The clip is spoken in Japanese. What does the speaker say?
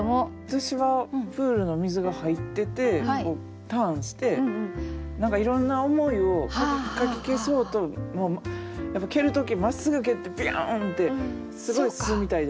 私はプールの水が入っててターンして何かいろんな思いをかき消そうと蹴る時まっすぐ蹴ってビューンってすごい進むみたいじゃないですか。